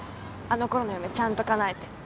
あのころの夢ちゃんとかなえて。